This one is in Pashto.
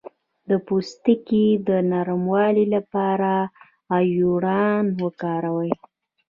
د پوستکي روڼوالي لپاره ایلوویرا وکاروئ